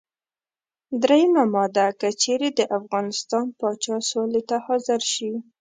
دریمه ماده: که چېرې د افغانستان پاچا سولې ته حاضر شي.